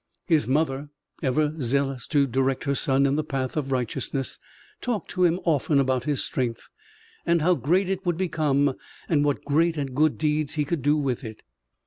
His mother, ever zealous to direct her son in the path of righteousness, talked to him often about his strength and how great it would become and what great and good deeds he could do with it.